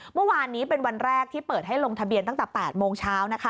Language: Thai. เมื่อวานนี้เป็นวันแรกที่เปิดให้ลงทะเบียนตั้งแต่๘โมงเช้า